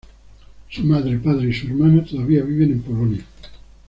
Su madre, padre y su hermana todavía viven en Polonia.